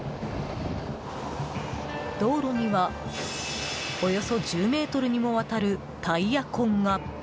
道路にはおよそ１０ｍにもわたるタイヤ痕が。